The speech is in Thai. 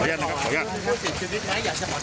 อยากจะขอโทษเขาหน่อย